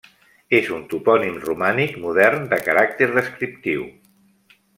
És un topònim romànic modern de caràcter descriptiu.